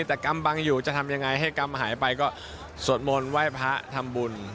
แต่กรรมบังอยู่จะทำยังไงให้กรรมหายไปก็สวดมนต์ไหว้พระทำบุญ